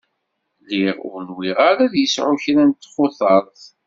Lliɣ ur nwiɣ ara ad yesεu kra n txutert.